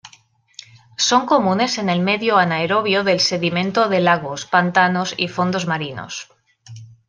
Son comunes en el medio anaerobio del sedimento de lagos, pantanos y fondos marinos.